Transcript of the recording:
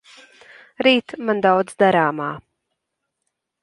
Rīt man daudz darāmā.